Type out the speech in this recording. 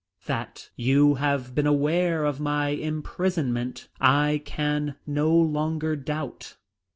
That you have been aware of my imprisonment I can no longer doubt.